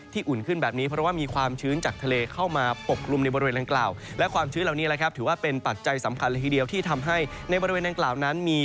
ที่อุ่นขึ้นแบบนี้เพราะว่ามีความชื้นจากทะเลเข้ามาปกลุ่มในบริเวณทางกล่าว